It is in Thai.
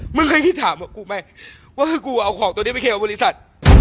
ไม่เคยคิดถามกับกูไหมว่าคือกูเอาของตัวนี้ไปเคลบริษัท